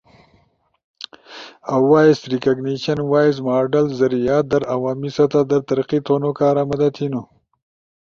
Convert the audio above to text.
اؤ وائس ریکگنیشن وائس ماڈلز ذریعہ در عوامی سطح در ترقی تھونو کارا مدد تھینو۔